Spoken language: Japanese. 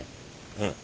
うん